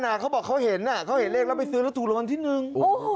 นั่นเขาบอกเขาเห็นเขาเห็นเลขเราไปซื้อแล้วถูกลงกันทีหนึ่ง